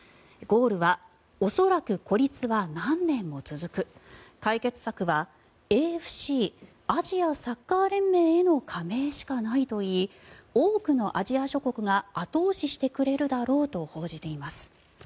ゴールは恐らく孤立は何年も続く解決策はＡＦＣ・アジアサッカー連盟への加盟しかないといい多くのアジア諸国が後押ししてくれるだろうと報じています。